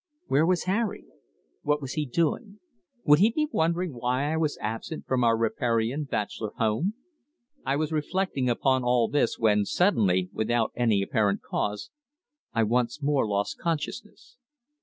Where was Harry? What was he doing? Would he be wondering why I was absent from our riparian bachelor home? I was reflecting upon all this when suddenly, without any apparent cause, I once more lost consciousness.